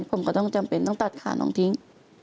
ผมก็ต้องจำเป็นต้องตัดขาน้องทิ้ง